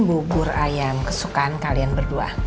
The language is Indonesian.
bubur ayam kesukaan kalian berdua